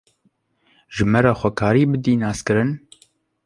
ji me re xwe karî bidî naskirin